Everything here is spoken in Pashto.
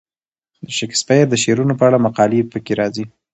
د شکسپیر د شعرونو په اړه مقالې پکې راځي.